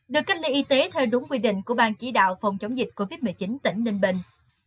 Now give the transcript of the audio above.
được cách ly y tế theo đúng quy định của bang chỉ đạo phòng chống dịch covid một mươi chín tỉnh ninh bình